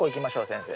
先生。